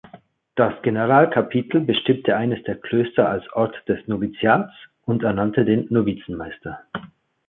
Das Generalkapitel bestimmte eines der Klöster als Ort des Noviziats und ernannte den Novizenmeister.